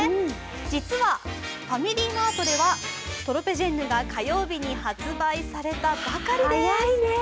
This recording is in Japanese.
実はファミリーマートてはトロペジェンヌが火曜日に発売されたばかりです。